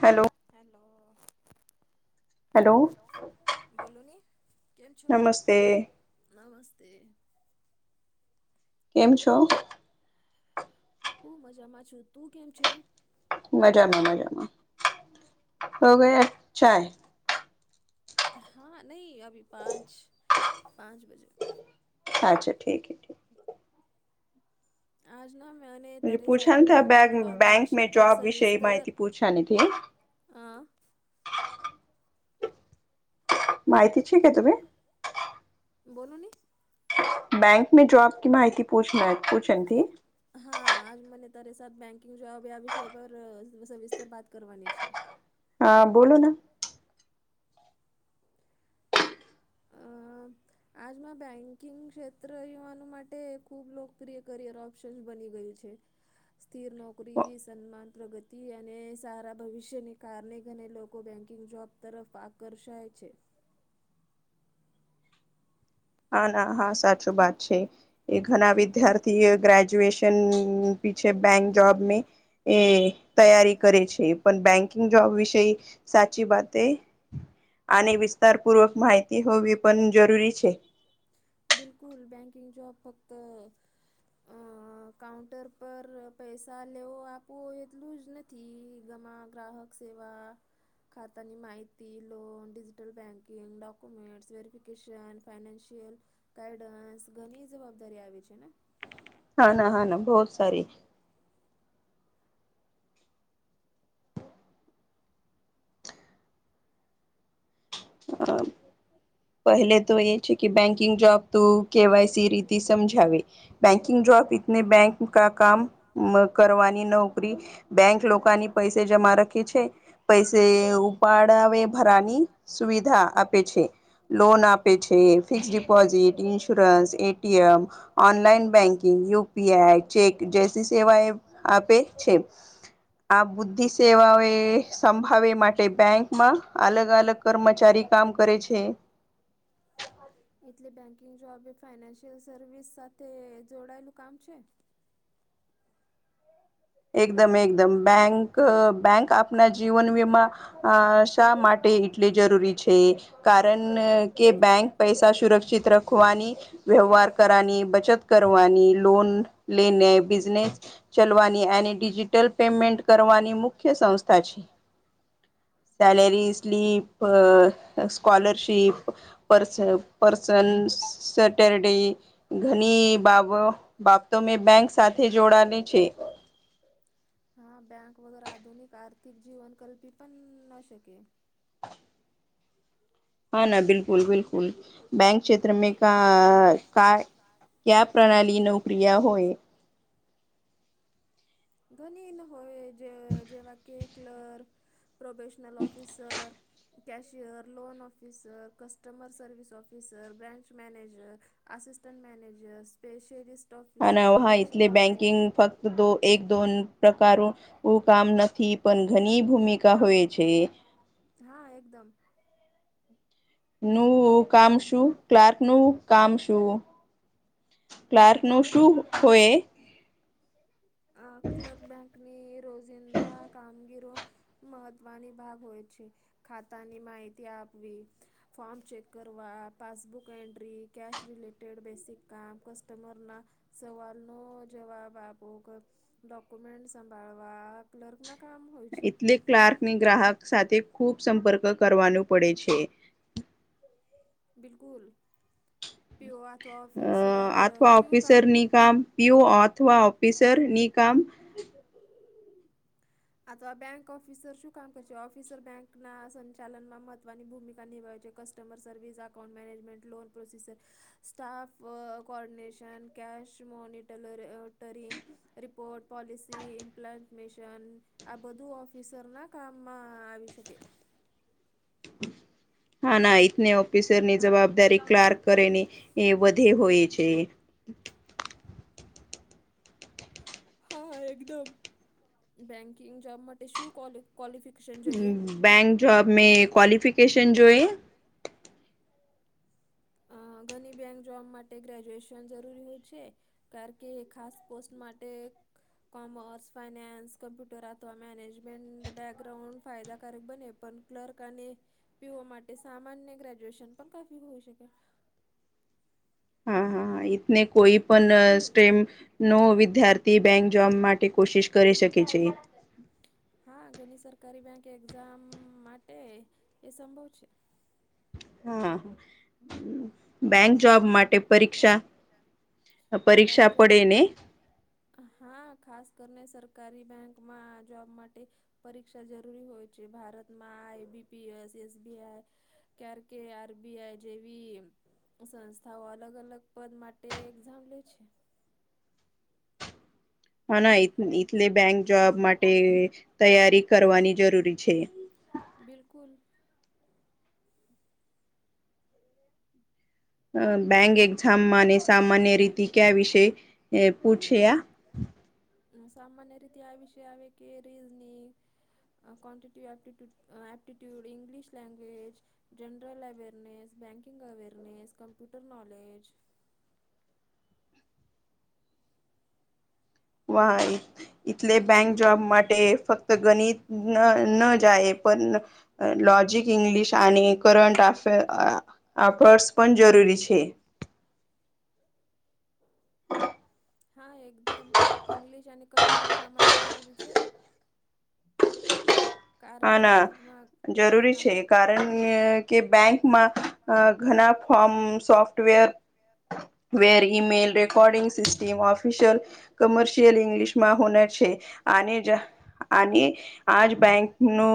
Hello hello hello બોલોની કેમ છો નમસ્તે કેમ છો હું મજામાં છું તું કેમ છે મજામાં મજામાં હવે ચાઇ હા નઈ અભી પાંચ પાંચ બજે અચ્છા ઠીક પૂછાન થ બેંક મે જોબ વિશે માહિતી પૂછાની થી [inaudible] માહિતી છે કે તમે બોલોની બેંક મે જોબ કી માહિતી પૂછ પૂછનથી હા આજ મને તારી સા બેંકિંગ જોબ આ વિષય પર સવિસ્તર વાત કરવાની છે હા બોલો ના [inaudible] આજ મેં બેન્કિંગ ક્ષેત્ર યુવાનો માટે ખૂબ લોકપ્રિય કરિયરો [unintelligible] બની ગયું છે સ્થિર નોકરી સન્માન પ્રગતિ અને સારા ભવિષ્યને કારણે ઘણે લો લો બેન્કિંગ જોબ તરફ આકર્ષાય છે હા ના હા સાચું બાત છે એ ઘણા વિદ્યાર્થી એ ગ્રેજ્યુએશન પીછે બેંક જોબ મી એ તૈયારી કરે છે પણ બેંકિંગ જોબ વિશે સાચી બાતે અને વિસ્તાર પૂર્વક માહિતી હોવી પણ જરૂરી છે બિલકુલ બેંકિંગ જોબ ફક્ત [inaudible] કાઉન્ટર પર પૈસા નેવો આપવું હોય એટલું જ નથી ગમા ગ્રાહક સેવા ખાતાની માહિતી loan digital banking documents verification financial guidance ઘણી જવાબદારી આવે છે ને હા ના હા ના બોહત સારી હા પહેલે તો એ છે કે બેંકિંગ જોબ તું કેવાયસી રીતે સમજાવે બેંકિંગ જોબ ઇતને બેંક કા કામ કરવાની નોકરી બેંક લોકોની પૈસે જમા રખી છે પૈસે ઉપાડાવે ભરાની સુવિધા આપે છે. લોન આપે છે fix deposit insurance ATM online banking UPI cheque જે સેવા એ આપે છે. આ બુદ્ધિ સેવાઓ એ સંભાળે માટે બેંકમાં અલગ અલગ કર્મચારી કામ કરે છે. એટલે બેન્કિંગ જોબ એ ફાઈનાન્શિયલ સર્વિસસ સાથે જોડાયેલું કામ છે. એકદમ એકદમ બેંક બેંક આપના જીવન વીમા અ શા માટે એટલે જરૂરી છે. કારણ કે બેંક પૈસા સુરક્ષિત રખવાની વ્યવહાર કરવાની બચત કરવાની લોન લેને બિઝનેસ ચલવાની અને ડિજિટલ પેમેન્ટ કરવાની મુખ્ય સંસ્થા છે. સેલરી સ્લીપ સ્કોલરશિપ પરસ પસન સટરડે ઘણી બાબ બાબતો મેં બેંક સાથે જોડાલે છે. હા બંક વગેર આધુનિક આર્થિક જીવન કલ્પી પણ ન શકીયે હા ના બિલકુલ બિલકુલ બેંક ક્ષેત્ર મે ક ક કયા પ્રણાલી નો ક્રિયા હોય ઘણી હોય જેવા કે clerk - professional officer cashier loan officer customer service officer branch manager assistant manager specialist હા ના હા એટલે બેંકિંગ ફક્ત દો એક દોન પ્રકારો - ઓ કામ નથી પણ ઘણી ભૂમિકા હોય છે. હા એકદમ નું કામ શું ક્લાર્ક નું કામ શું ક્લાર્ક નું શું હોય ક્લર્ક બેંકની રોજિંદા કામગીરો મહત્ત્વની ભાગ હોય છે ખાતાની માહિતી આપવી ફોર્મ ચેક કરવા passbook entry cash related basic કામ કસ્ટમરના સવાલ નો જવાબ આપો ડોક્યુમેન્ટ સંંભાળવા ક્લર્કના કામ હોય છે. ક્લાર્કની ગ્રાહક સાથે ખૂબ સંપર્ક કરવાનું પડે છે. બિલકુલ પ અથવા ઓફસર કુ કામ કામ પીયું અથવા ઓફિસર ની કામ આ તો આ બેંક ઓફિસર શું કામ કરે છે ઓફિસર બેંક ના સંચાલન માં મહત્વની ભૂમિકા નિભાવે છે. કસ્ટમર સવવીસ અકાઉન્ટ મેજમેન્ટ લો procedure staff uh coordination cash monitoring અરે રિપોર્ટ પોલિસી [unintelligible] મિશન આ બધું ઓફિસર ના કામમાં આવી શકે હા ના એતને ઓ ઓફિસરની જવાબદારી ક્લાર્ક કરેને એ વધે હોય છે. હા એકદમ બેંકિંગ જોબ માટે શું ક્લિફિકેશન જોઈએ બેંક જોબ મે ક્વલિફિકેશન જો એ. અ ઘની બેંક જોબ માટે ગ્રેજ્યુએશન જરૂરી હોય છે. કારણ કે ખાસ પોસ્ટ માટે કોમર્સ ફાયનાન્સ કમ્પ્યુટર અથવા મ મેનેજમેન્ટ બ બેકગ્રાઉન્ડ ફાયદાકારક બને પણ ક્લર્ક અને પીઓ માટે સામાન્ય ગ્રેજ્યુએશન પણ કાફી હોઈ શકે હા હા ને કોઈ પણ સ્ટમ નો વિદ્યાર્થી બેંક જોબ માટે કોશિશ કરી શકે છે. હા ઘની સરકારી બેંક એક્ઝામ માટે એ સંભવ છે. હા બેંક જોબ માટે પરીક્ષા પરીક્ષા પડે ને હા ખાસ કરીને સરકારી બેંકમાં જોબ માટે પરીક્ષા જરૂરી હોય છે ભારતમાં આઈ બીપીએસ એસબીઆ ક્યાર કે આરબીઆઈ જેવી સંસ્થાઓ અલગ અલગ પદ માટે એક્ઝામ લે છે. હા ના એટલે બેંક જોબ માટે તૈયારી કરવાની જરૂરી છે. બિલકુલ અ બેંક એક્ઝામમાં અને સામાન્ય રીતે કયા વિષ અ પૂછે આ સામાન્ય રીતે આ વિષ આવે કે રીઝની ક કો્વાન્ટટીવપડ એપ્ટુડ અ English language general awareness banking awareness computer knowledge વાહ એટલે બેંક જોબ માટે ફક્ત ગણિત ના ન જાય પણ લોજ જે ઇંગ્લિશ અને કરટ આ અફેર્સ પણ જરૂરી છે. હા એકદમ ઈંગ્લિશ અને કમ્પ્યુટર શા માટે જરૂરી છે. હા ના જરૂરી છે કારણ કે બેંકમાં ઘણા ફોર્મ સોફ્ટવેર વર email recording system official commercial English માં હોનર છે આનેજ આ જ બેંક નુ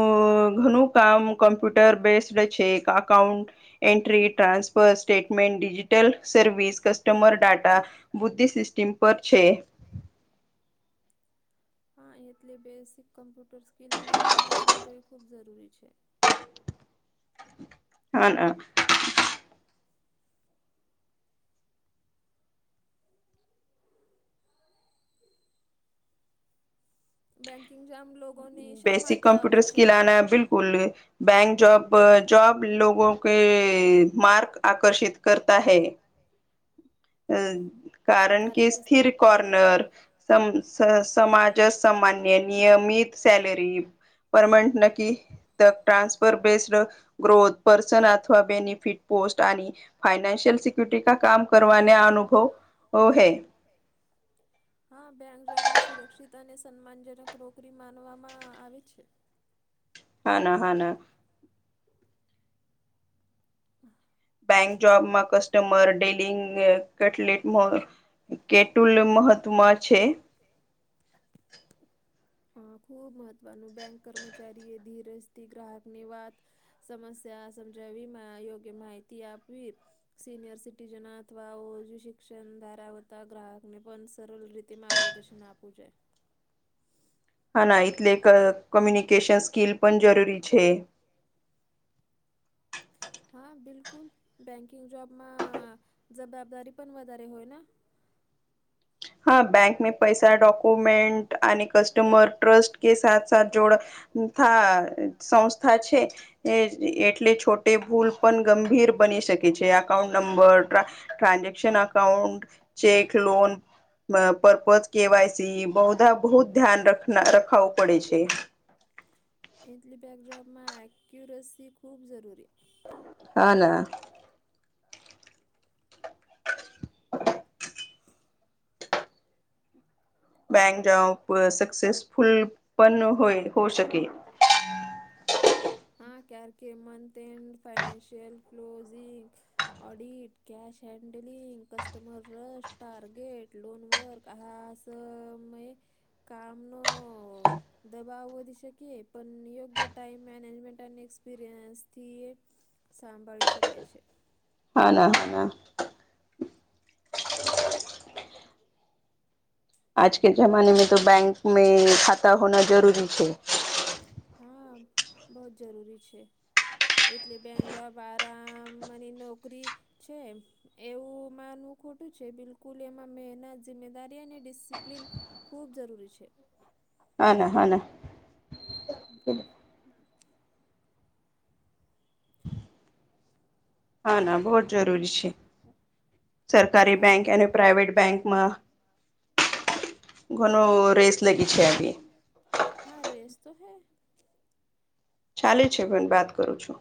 ઘણું કામ કોમ્પ્યુટર બેસ્ડ છે account entry transfer statement digital service customer data બુદ્ધિ સિસ્ટિમ પર છે. હા એટલે બેસિક કમ્પ્યુટર સ્કિલ અને ઇંગ્લિશ સમજો એ ખૂબ જરૂરી છે. હા ને બેંકિંગ જોબ લોકો ને શા માટે આકર્ષક છે. સ્કુલ બેંક જોબ જોબ લોકોગો કે માર્ક આકર્ષિત કરતા હૈ અ કારણ કે સ્થિર કોર્નર સ સ સમાજ સામાન્ય નિયમિત સેલરી પરમાનન્ટ નકી ટ્રાન્સફર બેડ ગ્રોથ પર્સન અથવા બેનિફિટ પોસ્ટ અને ફાઇનાન્શિયલ સિક્ય્યોરિટી કા કામ કરવાના અનુભવ હૈ હા બેંક જોબને સુરક્ષિત અને સન્માનજનક નોકરી માનવામાં આવે છે. હા ના હા ના [inaudible] બેંક જોબમાં કસ્ટમર ડીલિંગ કેટલેટ કે ટુલ્ય મહત્ત્વ છે. હ, છે. હા, ખુબ મહત્વનું બેંક કર્મચારી એ ધીરજથી ગ્રાહક ની વાત સમસ્યા સમજાવ, યોગ્ય માહિતી આપવી. સિનિયર સિટીઝન અથવા ઓજ શિક્ષણ ધરાવતા ગ્રાહક ને પણ સરળ રીતે. તે માર્ગદર્શન આપું જ છે. હ, ના એટલે કોમ્યુનિકેશન સ્કિલ પણ જરૂરી છે. હા, બિલકુલ, બેંકિંગ જોબમાં જવાબદારી પણ વધારે હોય ને. હા, બેંક મે પૈસા ડોક્યુમેન્ટ અને કસ્ટમર ટ્રસ્ટ કે સા સા જોડ સંસ્થા છે, એટલે છોટ ટે ભૂલ પણ ગંભીર બની શકે છે, account number, transaction account, cheque, loan purpose KYC બધા બહુ ધ્યાન રખાવું પડે છે. એટલી બેકડ્રોપમાં એક્યુરસી ખૂબ જરૂરી હા, ના. [unintelligible] બંક જઓ સક્સેસફુલ પણ હોય, હો શકે. હા, કાર કે, month end financial closing audit, cash, handling, customer, rush, target loan work આાસ તો મે કામનો દબાવ વધી શકી, પણ યોગ્ય ટાઈમ મેનેજમેન્ટ અને એક્સપિરિયન્સથી એ સાંભાળી શકાય છે. હા, ના, હા, ના આજ કે, જમાને મે તો બેંક મે ખા હા, બહુ જ જરૂરી છે. એટલે બેંક જોબ આરામની નોકરી છે એ. એવું માનવું ખોટું છે. બિલકુલ, એમાં મહેનત જિમેદારી અને ડિસિપ્લન ખૂબ જરૂરી છે. હા, ના, હા, ના. હા, ના બહુ જરૂરી છે. સરકારી બેંક અને પ્રાઈવેટ બેંકમાં ઘ રેસ લાગી છે, આગ હા, રેસ તો હૈ. ચાલે છે, ભન વાત કરું છું.